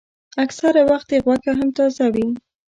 اکثره وخت یې غوښه هم تازه وي.